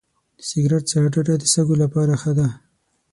د سګرټ څخه ډډه د سږو لپاره ښه ده.